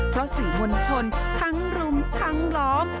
เพราะสื่อมวลชนทั้งรุมทั้งล้อม